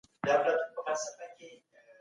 ټولنيز عدالت د ځينو پخوانيو مشرانو لخوا هېر سوی و.